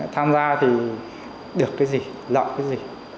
tham gia thì được cái gì lợi cái gì